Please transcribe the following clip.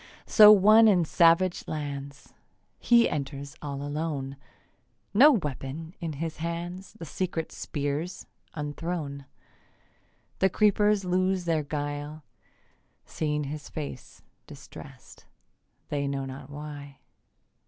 So one in savage lands: He enters all alone; No weapon in his hands. The secret spears unthrown, The creepers lose their guile, Seeing his face, distrest They know not why.